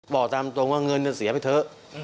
บอกตามตรงว่าเงินเสียไปเถอะ